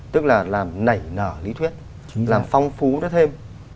tức là làm nảy nở lý thuyết làm phong phú nó thêm